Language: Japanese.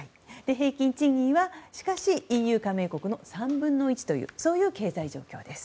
平均賃金はＥＵ加盟国の３分の１というそういう経済状況です。